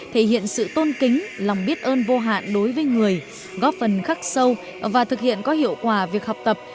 thể hiện sự tôn kính lòng biết ơn vô hạn đối với người góp phần khắc sâu và thực hiện có hiệu quả việc học tập